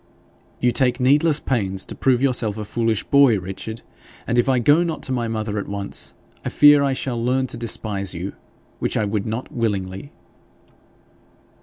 'You take needless pains to prove yourself a foolish boy, Richard; and if I go not to my mother at once, I fear I shall learn to despise you which I would not willingly.'